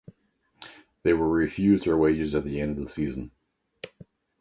They were refused their wages at the end of the season.